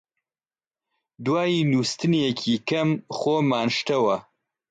دوای نووستنێکی کەم خۆمان شتەوە